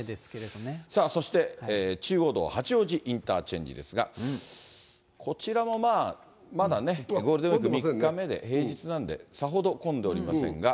さあ、そして中央道八王子インターチェンジですが、こちらもまあ、まだね、ゴールデンウィーク３日目で、平日なんで、さほど混んでおりませんが。